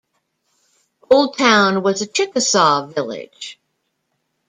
Old Town was a Chickasaw village.